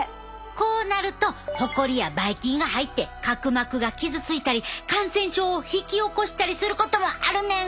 こうなるとホコリやばい菌が入って角膜が傷ついたり感染症を引き起こしたりすることもあるねん！